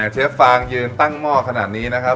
เชฟฟางยืนตั้งหม้อขนาดนี้นะครับ